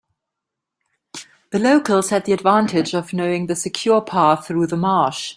The locals had the advantage of knowing the secure path through the marsh.